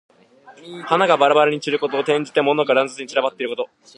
花がばらばらに散ること。転じて、物が乱雑に散らばっていること。